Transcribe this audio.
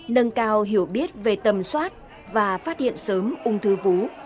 nâng cao hiểu biết về tầm soát và phát hiện sớm ung thư vú